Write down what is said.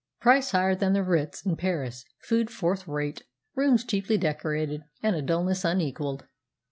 "Price higher than the 'Ritz' in Paris, food fourth rate, rooms cheaply decorated, and a dullness unequalled."